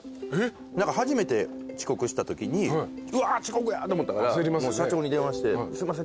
初めて遅刻したときにうわ遅刻やと思ったから社長に電話してすいません